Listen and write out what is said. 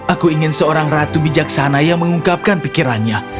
aku ingin seorang ratu bijaksana yang mengungkapkan pikirannya